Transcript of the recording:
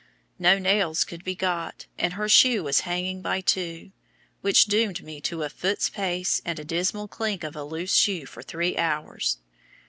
No nails could be got, and her shoe was hanging by two, which doomed me to a foot's pace and the dismal clink of a loose shoe for three hours.